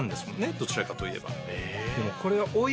どちらかといえば。